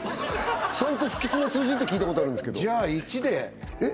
３って不吉な数字って聞いたことあるんですけどじゃあ１でえっ！？